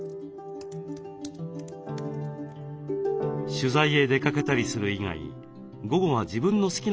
取材へ出かけたりする以外午後は自分の好きなことに使います。